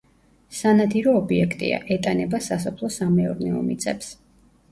სანადირო ობიექტია, ეტანება სასოფლო-სამეურნეო მიწებს.